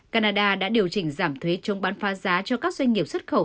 canada đã điều chỉnh giảm thuế chống bán phá giá cho các doanh nghiệp xuất khẩu